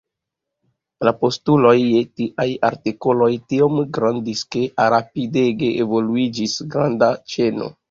La postuloj je tiaj artikoloj tiom grandis ke rapidege evoluiĝis granda ĉeno.